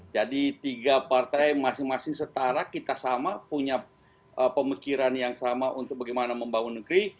jadi tiga partai masing masing setara kita sama punya pemikiran yang sama untuk bagaimana membangun negeri